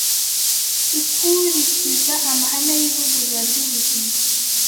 ikurikiza amahame y’ivugurura ry’ubuzima